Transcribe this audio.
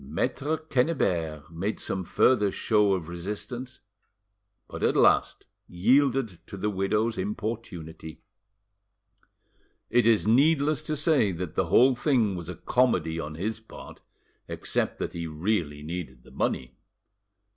Maitre Quennebert made some further show of resistance, but at last yielded to the widow's importunity. It is needless to say that the whole thing was a comedy on his part, except that he really needed the money.